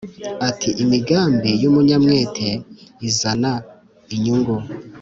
Ati “imigambi y’umunyamwete izana inyungu”